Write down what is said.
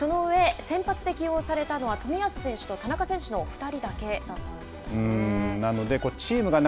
その上、先発で起用されたのは冨安選手と田中選手の２人だけだったんですね。